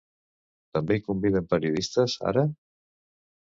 També hi conviden periodistes, ara?